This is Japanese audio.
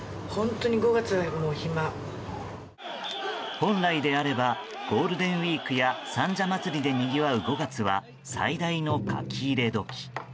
本来であればゴールデンウィークや三社祭でにぎわう５月は最大の書き入れ時。